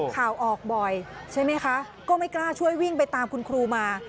ข่าวออกบ่อยใช่ไหมคะก็ไม่กล้าช่วยวิ่งไปตามคุณครูมา